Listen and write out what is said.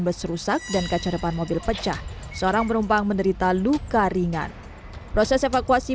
bus rusak dan kaca depan mobil pecah seorang penumpang menderita luka ringan proses evakuasi